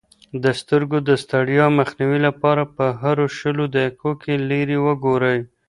د سترګو د ستړیا مخنیوي لپاره په هرو شلو دقیقو کې لیرې وګورئ.